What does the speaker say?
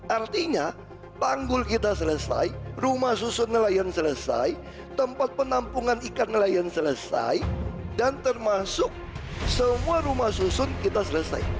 artinya panggul kita selesai rumah susun nelayan selesai tempat penampungan ikan nelayan selesai dan termasuk semua rumah susun kita selesai